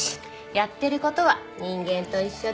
やってる事は人間と一緒だよ。